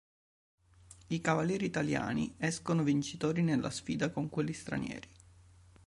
I cavalieri italiani escono vincitori nella sfida con quelli stranieri.